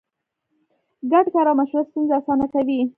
ګډ کار او مشوره ستونزې اسانه کوي.